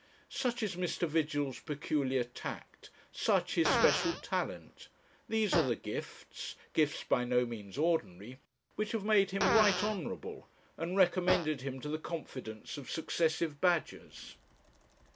Such is Mr. Vigil's peculiar tact, such his special talent; these are the gifts gifts by no means ordinary which have made him Right Honourable, and recommended him to the confidence of successive badgers.